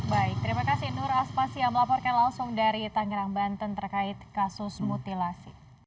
baik terima kasih nur aspasya melaporkan langsung dari tangerang banten terkait kasus mutilasi